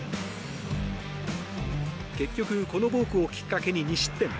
結局、このボークをきっかけに２失点。